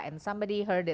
dan ada yang mendengarnya